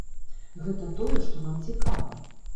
Гэта тое, што нам цікава.